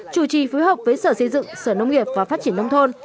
chủ trì phối hợp với sở xây dựng sở nông nghiệp và phát triển nông thôn